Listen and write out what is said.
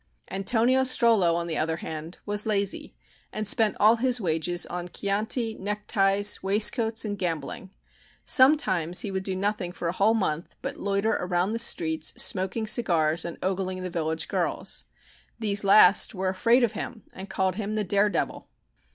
Antonio Strollo, on the other hand, was lazy and spent all his wages on chianti, neckties, waistcoats, and gambling. Sometimes he would do nothing for a whole month but loiter around the streets smoking cigars and ogling the village girls. These last were afraid of him and called him "The Dare Devil."